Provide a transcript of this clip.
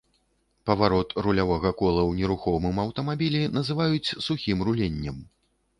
Паварот рулявога кола ў нерухомым аўтамабілі называюць сухім руленнем.